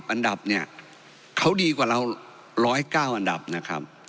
อันดับเนี่ยเขาดีกว่าเรา๑๐๙อันดับนะครับ